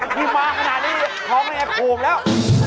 ที่มาขนาดนี้ทองเนี่ยโขงแล้ว